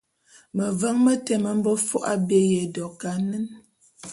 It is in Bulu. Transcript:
Meveň mete me mbe fo’o abé ya édok a anen.